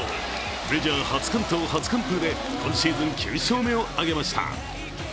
メジャー初完投初完封で今シーズン９勝目を挙げました。